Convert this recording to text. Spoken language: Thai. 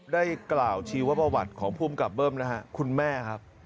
ได้กล่าวชีวบัตรของผู้กลับเบิ้มนะครับคุณแม่ครับ